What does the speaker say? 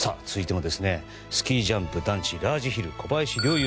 続いてもスキージャンプ男子ラージヒル小林陵